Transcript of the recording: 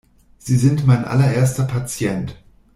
Sie sind mein allererster Patient.